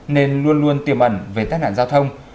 nên luôn luôn tiềm ẩn về tai nạn giao thông